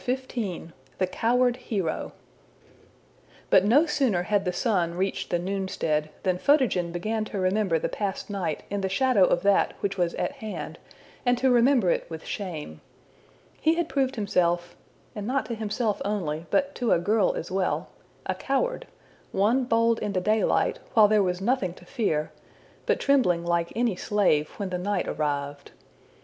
The Coward Hero But no sooner had the sun reached the noonstead, than Photogen began to remember the past night in the shadow of that which was at hand, and to remember it with shame. He had proved himself and not to himself only, but to a girl as well a coward! one bold in the daylight, while there was nothing to fear, but trembling like any slave when the night arrived.